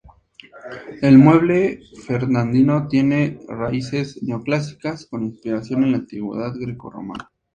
El mueble fernandino tiene raíces neoclásicas, con inspiración en la antigüedad grecorromana.